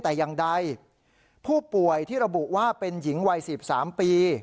แต่อย่างใดผู้ป่วยที่ระบุว่าเป็นหญิงวัย๑๓ปี